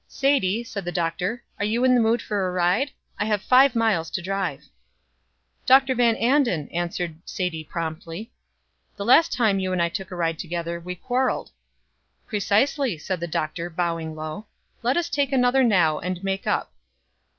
"Sadie," said the doctor, "are you in the mood for a ride? I have five miles to drive." "Dr. Van Anden," answered Sadie, promptly, "the last time you and I took a ride together we quarreled." "Precisely," said the Doctor, bowing low. "Let us take another now and make up."